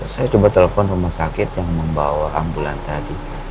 saya coba telepon rumah sakit yang membawa ambulan tadi